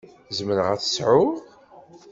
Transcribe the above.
Zemreɣ ad t-sεuɣ?